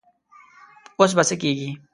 اوس به څه کيږي؟